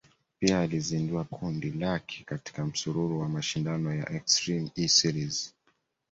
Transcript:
Pia alizindua kundi lake katika msururu wa mashindano ya Extreme E series